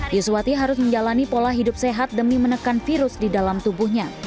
yuswati harus menjalani pola hidup sehat demi menekan virus di dalam tubuhnya